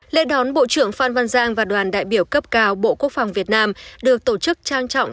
lễ đón bộ trưởng phan văn giang và đoàn đại biểu cấp cao bộ quốc phòng việt nam được tổ chức trang trọng